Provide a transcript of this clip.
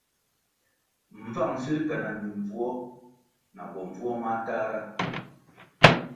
Mbvang sil ke na mimbvuo na bombvuo matahra.